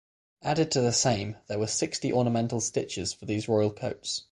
Added to the same there were sixty ornamental stitches for these royal coats.